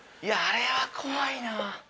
いやあれは怖いな。